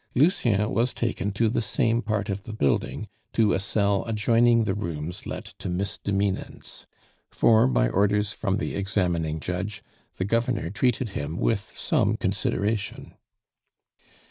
Lucien was taken to the same part of the building, to a cell adjoining the rooms let to misdemeanants; for, by orders from the examining judge, the Governor treated him with some consideration.